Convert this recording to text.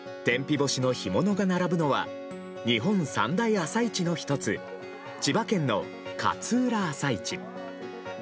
干しの干物が並ぶのは日本三大朝市の１つ千葉県の勝浦朝市。